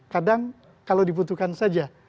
kadang kalau dibutuhkan saja